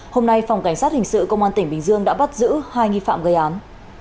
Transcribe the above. hôm nay phòng cảnh sát hình sự công an tỉnh bình dương đã bắt giữ hai nghi phạm gây án